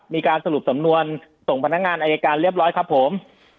มีการสรุปสำนวนส่งพนักงานอายการเรียบร้อยครับผม